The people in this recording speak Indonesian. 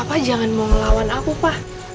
papa jangan mau ngelawan aku pa